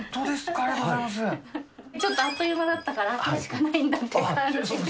ありがとうござちょっとあっという間だったから、これしかないんだっていう感じ。